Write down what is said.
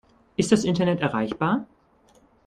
Ist das Internet erreichbar?